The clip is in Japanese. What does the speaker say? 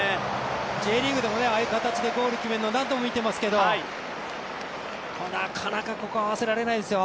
Ｊリーグでもああいう形でゴールを決めるのは何度も見ていますけどなかなかここは合わせられないですよ。